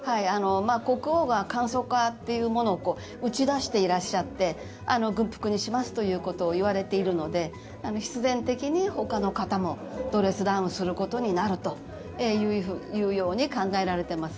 国王が簡素化というものを打ち出していらっしゃって軍服にしますということを言われているので必然的に、ほかの方もドレスダウンすることになるというように考えられています。